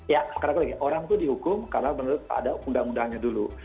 ya sekarang lagi orang itu dihukum karena menurut ada undang undangnya dulu